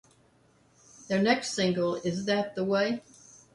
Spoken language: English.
Their next single, Is That the Way?